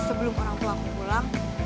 sebelum orang tua aku pulang